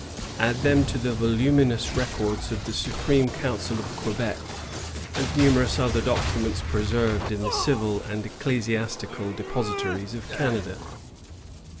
Add to them the voluminous records of the Superior Council of Quebec, and numerous other documents preserved in the civil and ecclesiastical depositories of Canada.